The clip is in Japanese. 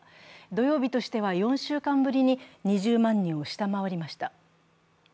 土曜日としては、４週間ぶりに２０万人を下回りました。